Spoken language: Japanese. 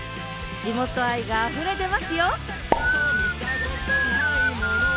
地元愛があふれ出ますよ